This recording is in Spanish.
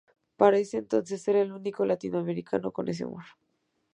Para ese entonces era el único latinoamericano con ese honor.